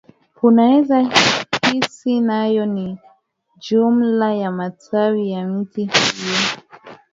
Unaweza hisi nayo ni jumla ya matawi ya miti hiyo